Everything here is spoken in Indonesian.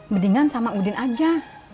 mendingan sama udin aja